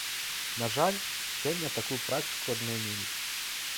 На жаль, сёння такую практыку адмянілі.